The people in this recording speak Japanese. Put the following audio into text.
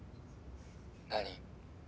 何？